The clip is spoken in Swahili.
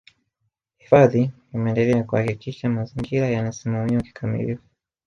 Hifadhi imeendelea kuhakikisha mazingira yanasimamiwa kikamilifu